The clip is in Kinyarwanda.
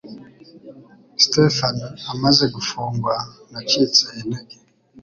Stéphane amaze gufungwa nacitse intege